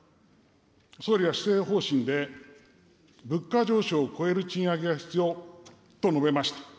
総理は施政方針で、物価上昇を超える賃上げが必要と述べました。